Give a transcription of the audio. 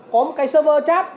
có một cái server chat